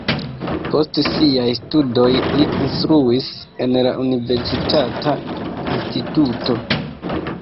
Post siaj studoj li instruis en la universitata instituto.